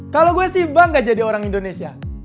kalau gue sih bangga jadi orang indonesia